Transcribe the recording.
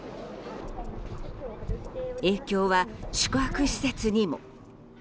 影響は、宿泊施設にも。